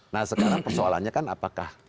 nah sekarang persoalannya kan apakah